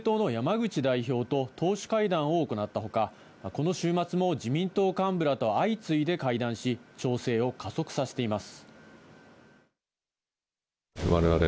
岸田総理は今日、公明党の山口代表と党首会談を行ったほか、この週末も自民党幹部らと相次いで会談し、調整を加速させています。